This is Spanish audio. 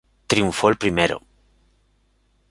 Triunfó el primero.